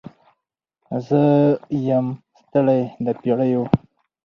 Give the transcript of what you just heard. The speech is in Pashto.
زه یم ستړې د پیړیو